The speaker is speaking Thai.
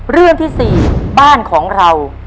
เรื่องที่๔บ้านของเรา